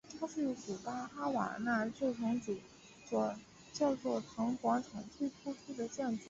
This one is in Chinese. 它是古巴哈瓦那旧城主教座堂广场最突出的建筑。